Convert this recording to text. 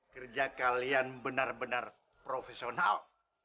kerja kalian benar benar profesional